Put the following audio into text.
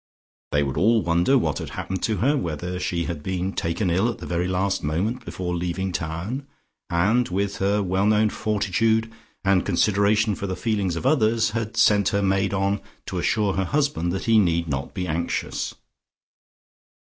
They would all wonder what had happened to her, whether she had been taken ill at the very last moment before leaving town and with her well known fortitude and consideration for the feelings of others, had sent her maid on to assure her husband that he need not be anxious.